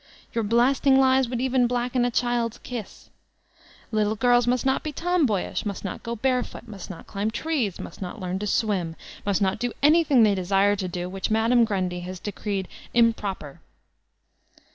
Your blasting lies would even blacken a child's kiss. Little girls must not be tomboyish, must not go barefoot, must not climb trees, must not learn to swim, must not do anything they desire to do which Madame Grundy has decreed ''improper."